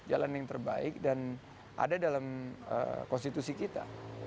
dan ada dalam konstitusi kita